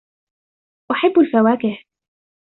أحب الفواكه.